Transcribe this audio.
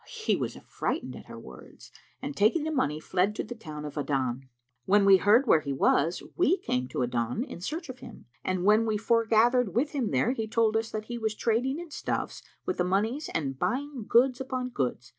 He was affrighted at her words and taking the money, fled to the town of Adan.[FN#361] When we heard where he was, we came to Adan in search of him, and when we foregathered with him there, he told us that he was trading in stuffs with the monies and buying goods upon goods.